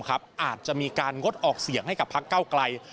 อาจจะมีการงดออกเสียงให้กับพักเก้าไกล